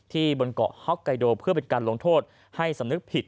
บนเกาะฮ็อกไกโดเพื่อเป็นการลงโทษให้สำนึกผิด